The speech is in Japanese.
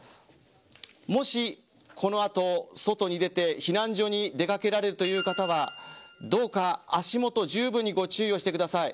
もしこの後、外に出て避難所に出掛けられるという方はどうか足元じゅうぶんにご注意をしてください。